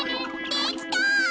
できた！